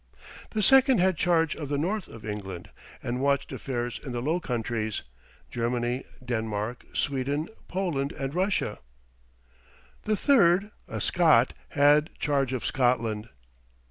The second had charge of the north of England, and watched affairs in the Low Countries, Germany, Denmark, Sweden, Poland, and Russia. The third, a Scot, had charge of Scotland.